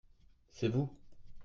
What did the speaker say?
c'est vous.